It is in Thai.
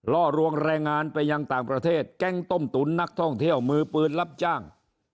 ล่อลวงแรงงานไปยังต่างประเทศแก๊งต้มตุ๋นนักท่องเที่ยวมือปืนรับจ้าง